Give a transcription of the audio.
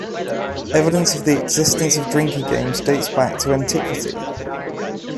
Evidence of the existence of drinking games dates back to antiquity.